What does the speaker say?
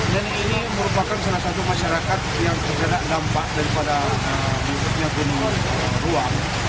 deni ini merupakan salah satu masyarakat yang tidak dapat dampak daripada dunia gunung ruang